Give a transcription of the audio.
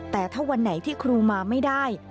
แต่ถ้าวันไหนที่ครูมาไม่ได้